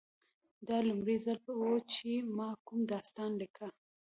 دا لومړی ځل و چې ما کوم داستان لیکه